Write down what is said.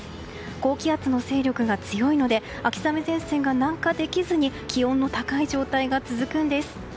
高気圧の勢力が強いので秋雨前線が南下できずに気温の高い状態が続くんです。